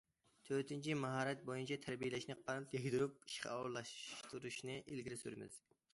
تۆتىنچى، ماھارەت بويىچە تەربىيەلەشنى قانات يايدۇرۇپ، ئىشقا ئورۇنلاشتۇرۇشنى ئىلگىرى سۈرىمىز.